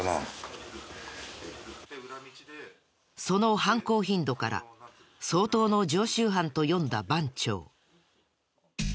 その犯行頻度から相当の常習犯と読んだ番長。